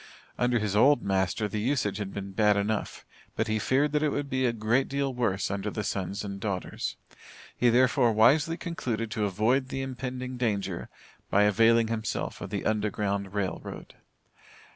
Under his old master, the usage had been bad enough, but he feared that it would be a great deal worse under the sons and daughters. He therefore wisely concluded to avoid the impending danger by availing himself of the Underground Rail Road.